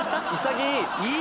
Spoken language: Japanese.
潔い！